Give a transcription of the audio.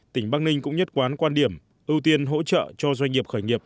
tỉnh bắc ninh cũng nhất quán quan điểm ưu tiên hỗ trợ cho doanh nghiệp khởi nghiệp